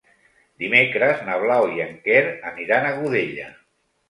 Dimecres na Blau i en Quer aniran a Godella.